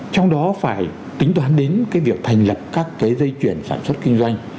trong đó phải tính toán đến cái việc thành lập các cái dây chuyển sản xuất kinh doanh